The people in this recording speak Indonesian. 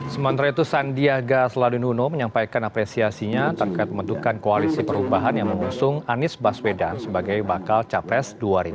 sementara itu sandiaga sladinuno menyampaikan apresiasinya terkait pembentukan koalisi perubahan yang mengusung anies baswedan sebagai bakal capres dua ribu dua puluh